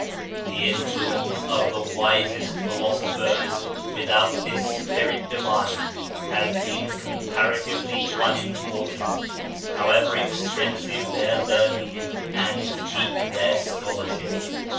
The influence of the wisest philosophers, without this Spirit Divine, has been comparatively unimportant, however extensive their learning and deep their scholar ship.